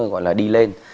gọi là đi lên